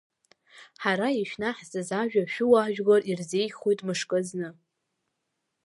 Ҳара ишәнаҳҵаз ажәа шәуаажәлар ирзеиӷьхоит мышкы зны.